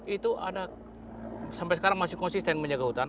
itu ada sampai sekarang masih konsisten menjaga hutan